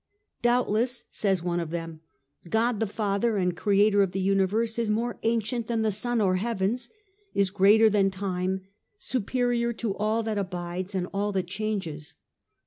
' Doubtless,^ says one of 10. them, 'God the Father and Creator of the Universe is more ancient than the sun or heavens, is greater than time, superior to all that abides and all that changes.